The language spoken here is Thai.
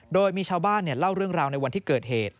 โดยมีชาวบ้านเล่าเรื่องราวในวันที่เกิดเหตุ